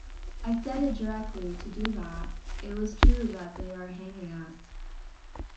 I said it directly to do that, it was true that they are hanging us.